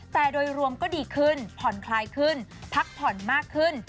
แต่โดยรวมก็ดีขึ้นผ่อนคลายขึ้นพักผ่อนมากขึ้น